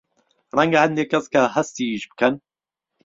رهنگه ههندێک کهس که ههستیش بکهن